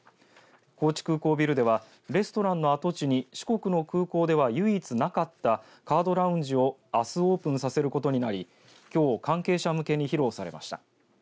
高知空港ビルではレストランの跡地に四国の空港では唯一なかったカードラウンジをあす、オープンさせることになりきょう関係者向けに披露されました。